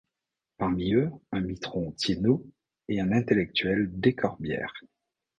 Parmi eux, un mitron, Thienot, et un intellectuel, Descorbières.